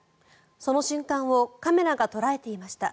その瞬間をカメラが捉えていました。